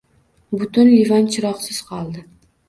Butun Livan chiroqsiz qoldi